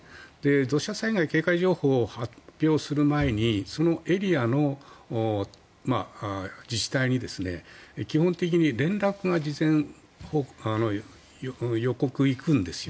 土砂災害警戒情報を発表する前にそのエリアの自治体に基本的に連絡が事前に予告が行くんですよ。